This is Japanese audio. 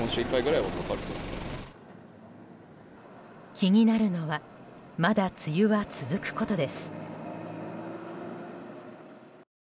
気になるのはまだ梅雨は続くことです。